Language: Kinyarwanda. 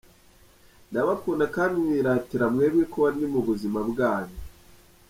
Ndabakunda kandi niratira mwebwe kuba ndi mu buzima bwanyu.